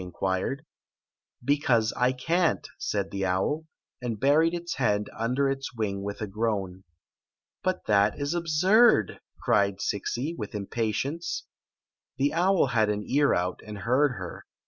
inquired. " B«:ause I can't," said the owl, and buried its head under its wing with a groan. " But that is absurd !" cried Zixi. with impatience. The owl had an ear out, and heard her.